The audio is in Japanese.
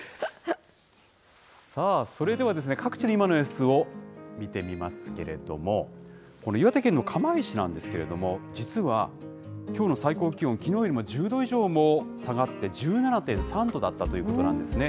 さあ、それでは、各地の今の様子を見てみますけれども、この岩手県の釜石なんですけれども、実は、きょうの最高気温、きのうよりも１０度以上も下がって、１７．３度だったということなんですね。